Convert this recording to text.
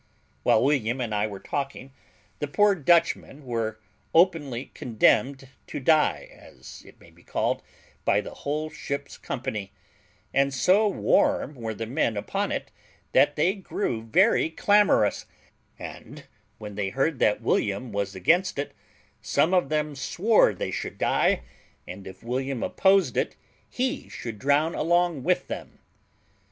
While William and I were talking, the poor Dutchmen were openly condemned to die, as it may be called, by the whole ship's company; and so warm were the men upon it, that they grew very clamorous; and when they heard that William was against it, some of them swore they should die, and if William opposed it, he should drown along with them.